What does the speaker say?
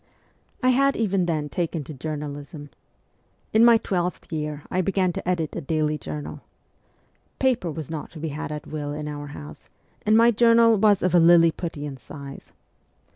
I had even then taken to journalism. In my twelfth year I began to edit a daily journal. Paper was not to be had at will in our house, and my journal was of a Liliputian size.